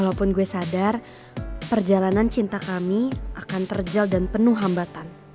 walaupun gue sadar perjalanan cinta kami akan terjal dan penuh hambatan